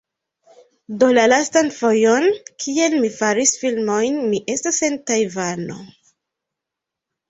Do la lastan fojon, kiel mi faris filmojn, mi estas en Tajvano.